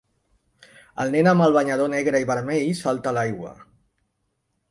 El nen amb el banyador negre i vermell salta a l'aigua.